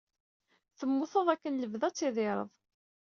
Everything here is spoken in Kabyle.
Temmuteḍ akken lebda ad tidireḍ.